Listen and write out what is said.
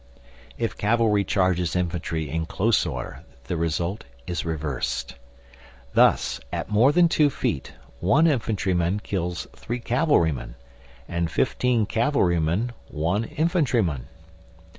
If cavalry charges infantry in close order, the result is reversed. Thus at more than two feet one infantry man kills three cavalry men, and fifteen cavalry men one infantry man.